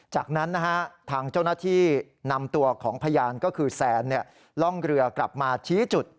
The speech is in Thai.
จากนั้นทางเจ้าหน้าที่นำตัวของพยานก็คือแซนล่องเรือกลับมาชี้จุด